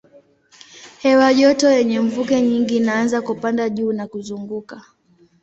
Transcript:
Hewa joto yenye mvuke nyingi inaanza kupanda juu na kuzunguka.